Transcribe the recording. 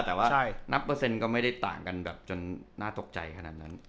แต่ว่านับเปอร์เซ็นต์ก็ไม่ได้ต่างกันแบบจนน่าตกใจขนาดนั้น